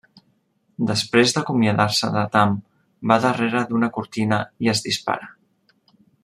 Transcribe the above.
Després d'acomiadar-se de Tam, va darrere d'una cortina i es dispara.